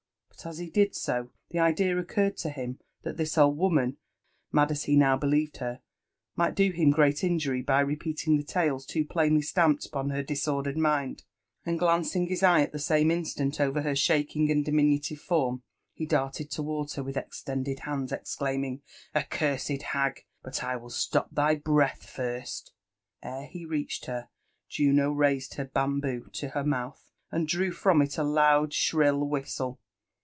But as he did so, the Idea owurred to him that this old woman, mad as he now believed her, migWdohim great injury by repeating the tales too plainly sUmped upon her disordered mind, and glancing his eye at the same insUnt over ber shaking and diminutive form, he darted towards her with brelthfi •"*''' ®*'''*''"'"«5' "A«c"« se<l hag!— but I will stop thy Ere he reached her, Juno raised her bamboo to her mouth and drew from It a loud shrill whistle.